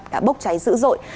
đã bốc cháy dữ dội